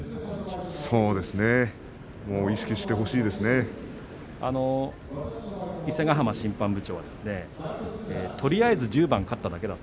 そうですね伊勢ヶ濱審判部長はとりあえず１０番勝っただけだと。